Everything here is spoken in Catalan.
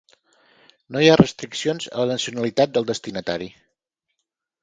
No hi ha restriccions a la nacionalitat del destinatari.